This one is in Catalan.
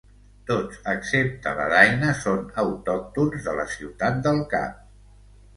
Tots, excepte la daina, són autòctons de la ciutat del Cap.